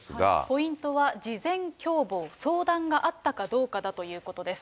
ポイントは事前共謀、相談があったかどうかだということです。